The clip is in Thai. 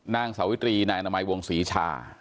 นางสาวิตรีนายอนามัยวงศรีชา